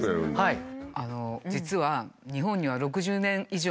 はい。